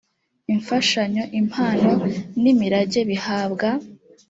imfashanyo impano n imirage bihabwa